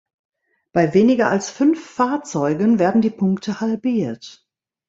Bei weniger als fünf Fahrzeugen werden die Punkte halbiert.